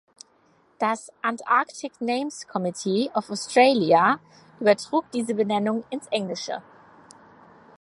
Das Antarctic Names Committee of Australia übertrug diese Benennung ins Englische.